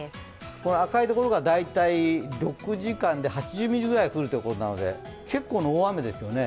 赤いところが大体６時間で８０ミリくらい降るということで結構な大雨ですよね。